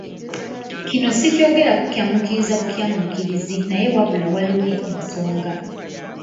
Kino sikyogera kukyamuukiriza bukyamuukiriza naye wabula waliwo ensonga.